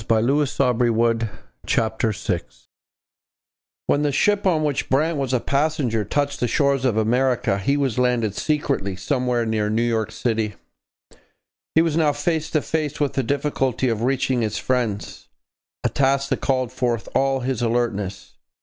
CHAPTER VI BRANT MEETS HERKIMER When the ship on which Brant was a passenger touched the shores of America, he was landed secretly somewhere near New York city. He was now face to face with the difficulty of reaching his friends a task that called forth all his alertness.